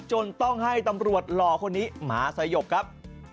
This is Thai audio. จนต้องให้ตำรวจหล่อคนนี้มาสยบครับ